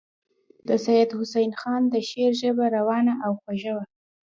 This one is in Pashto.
د سید حسن خان د شعر ژبه روانه او خوږه وه.